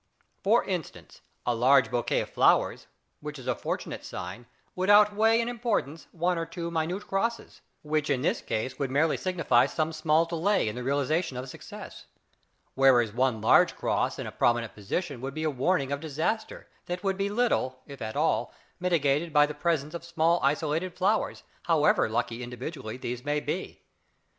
For instance, a large bouquet of flowers, which is a fortunate sign, would outweigh in importance one or two minute crosses, which in this case would merely signify some small delay in the realisation of success; whereas one large cross in a prominent position would be a warning of disaster that would be little, if at all, mitigated by the presence of small isolated flowers, however lucky individually these may be.